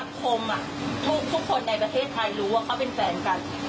คือสักคมอ่ะทุกทุกคนในประเทศไทยรู้ว่าเขาเป็นแฟนกัน